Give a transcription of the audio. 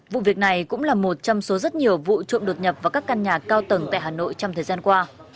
vụ việc này cũng là một trong số rất nhiều vụ trộm đột nhập vào các căn nhà cao tầng tại hà nội trong thời gian qua